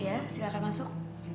iya silahkan masuk